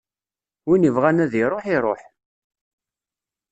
Win yebɣan ad iṛuḥ, iṛuḥ.